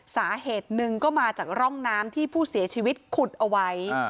สาเหตุหนึ่งก็มาจากร่องน้ำที่ผู้เสียชีวิตขุดเอาไว้